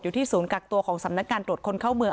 ศูนย์กักตัวของสำนักการตรวจคนเข้าเมือง